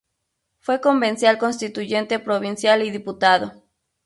Fue convencional constituyente provincial y diputado.